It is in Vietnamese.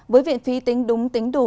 với viện phí tính đúng tính đủ